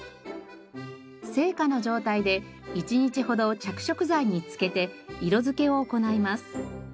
生花の状態で１日ほど着色剤につけて色づけを行います。